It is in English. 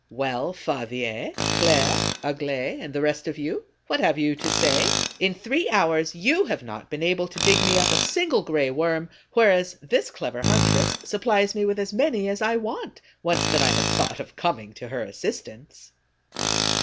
Well, Favier, Claire, Aglaé, and the rest of you, what have you to say? In three hours you have not been able to dig me up a single Gray Worm, whereas this clever huntress supplies me with as many as I want, once that I have thought of coming to her assistance!